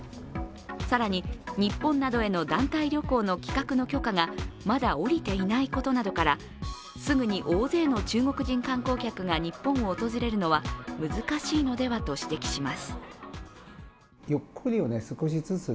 更に、日本などへの団体旅行の企画の許可がまだ下りていないことなどからすぐに大勢の中国人観光客が日本を訪れるのは難しいのではと指摘します。